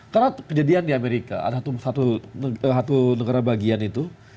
karena kejadian di amerika ada satu negara bagian itu